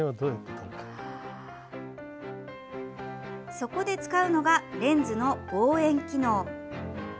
そこで使うのがレンズの望遠機能。